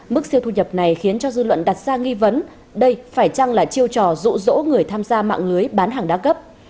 mức siêu thu nhập này khiến cho dư luận đặt ra nghi vấn đây phải chăng là chiêu trò rụ rỗ người tham gia mạng lưới bán hàng đa cấp